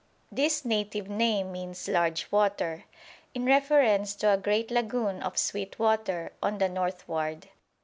This native name means "large water," in reference to a great lagoon of sweet water on the northward.